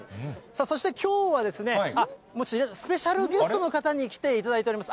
そしてきょうはですね、スペシャルゲストの方に来ていただいております。